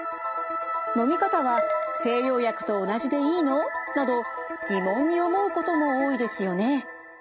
のみ方は西洋薬と同じでいいの？」など疑問に思うことも多いですよね？